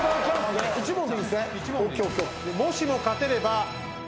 もしも勝てれば。